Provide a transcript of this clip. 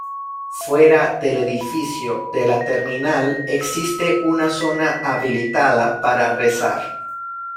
Fuera del edificio de la terminal existe una zona habilitada para rezar.